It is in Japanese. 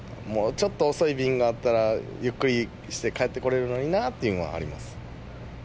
もうちょっと遅い便があったらゆっくりして帰ってこられるのになっていうのはあります。